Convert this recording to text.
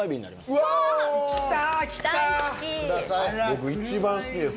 僕一番好きです